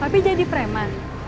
tapi jadi preman